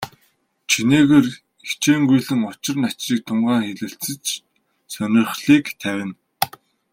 Чинээгээр хичээнгүйлэн учир начрыг тунгаан хэлэлцэж, сонирхлыг тавина.